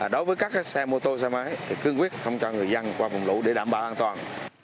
đối với các xe mô tô xe máy thì cương quyết không cho người dân qua vùng lũ để đảm bảo an toàn